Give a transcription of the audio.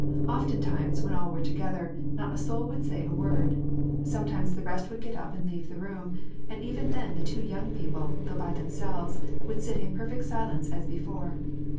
Often times, when all were together, not a soul would say a word. Sometimes the rest would get up and leave the room, and even then the two young people, though by themselves, would sit in perfect silence, as before.